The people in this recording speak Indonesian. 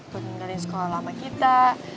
buat ngedalin sekolah lama kita